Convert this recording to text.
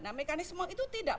nah mekanisme itu tidak